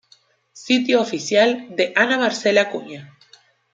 Sitio oficial de Ana Marcela Cunha